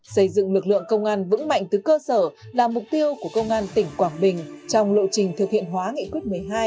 xây dựng lực lượng công an vững mạnh từ cơ sở là mục tiêu của công an tỉnh quảng bình trong lộ trình thực hiện hóa nghị quyết một mươi hai